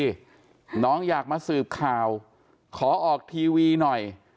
น้องอยากมาสืบข่าวขอออกทีวีหน่อย